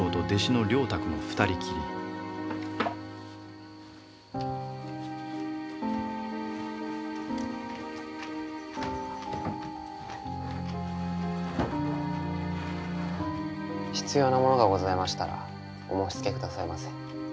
沢の２人きり必要なものがございましたらお申しつけ下さいませ。